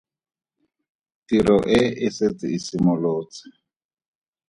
Tiro e e setse e simolotse.